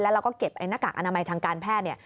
แล้วเราก็เก็บหน้ากากอนามัยทางการแพทย์